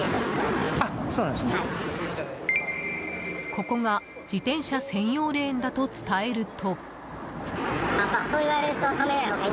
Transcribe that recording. ここが自転車専用レーンだと伝えると。